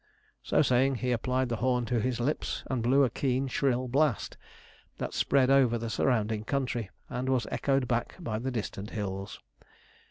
So saying, he applied the horn to his lips, and blew a keen, shrill blast, that spread over the surrounding country, and was echoed back by the distant hills.